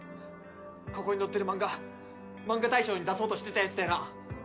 ここに載ってる漫画漫画大賞に出そうとしてたやつだよな？